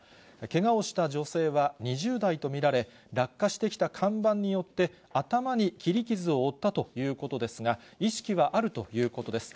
けがをした女性は２０代と見られ、落下してきた看板によって、頭に切り傷を負ったということですが、意識はあるということです。